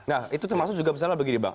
nah itu termasuk juga misalnya begini bang